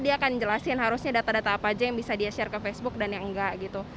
dia akan jelasin harusnya data data apa aja yang bisa dia share ke facebook dan yang enggak gitu